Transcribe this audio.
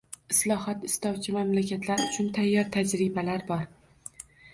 Islohot istovchi mamlakatlar uchun tayyor tajribalar bor.